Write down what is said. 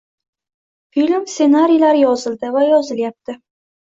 Film-stsenariylari yozildi va yozilyapti.